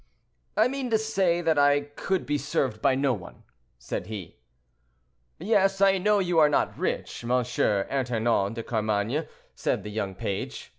"I meant to say that I could be served by no one," said he. "Yes, I know you are not rich, M. Ernanton de Carmainges," said the young page.